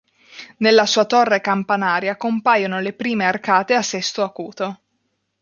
Nella sua torre campanaria compaiono le prime arcate a sesto acuto.